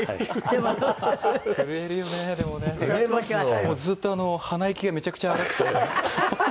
もうずっと鼻息がめちゃくちゃ荒くて。